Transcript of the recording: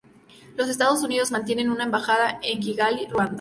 Los Estados Unidos mantienen una embajada en Kigali, Ruanda.